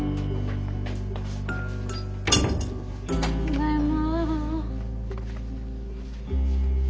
ただいま。